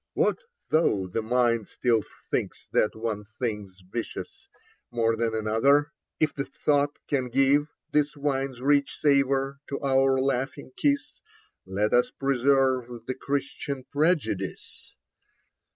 What though the mind still think that one thing's vicious More than another ? If the thought can give This wine's rich savour to our laughing kiss, Let us preserve the Christian prejudice.